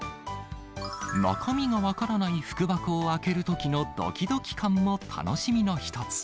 中身が分からない福箱を開けるときのどきどき感も楽しみの一つ。